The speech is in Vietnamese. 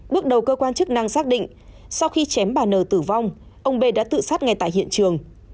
bước đầu cơ quan chức năng xác định sau khi chém bà n tử vong ông bê đã tự sát ngay tại hiện trường